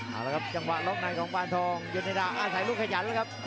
เอาละครับจังหวะล็อกในของปานทองยนดาอาศัยลูกขยันแล้วครับ